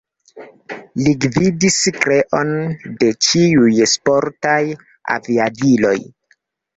Li gvidis kreon de ĉiuj sportaj aviadiloj.